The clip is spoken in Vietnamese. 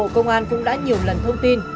công an cũng đã nhiều lần thông tin